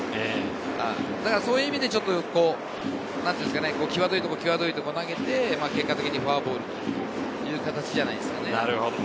そういう意味でちょっと際どいところに投げて結果的にフォアボールという形じゃないですか。